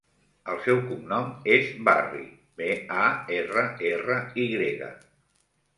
El seu cognom és Barry: be, a, erra, erra, i grega.